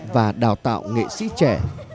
và đào tạo nghệ sĩ trẻ